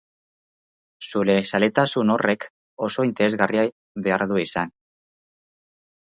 Zure zaletasun horrek oso interesgarria behar du izan.